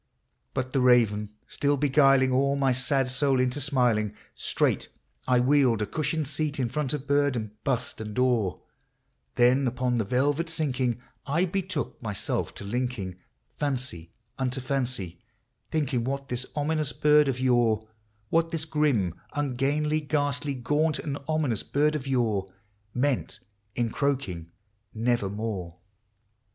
" But the raven still beguiling all my sad soul into smiling, Straight I wheeled a cushioned seat in front of bird and bust and door, Then, upon the velvet sinking, I betook myself to linking Fancy unto fancy, thinking what this ominous bird of yore — What this grim, ungainly, ghastly, gaunt, and ominous bird of yore — Meant in croaking " Nevermore !" 160 POEMS OF FANCY.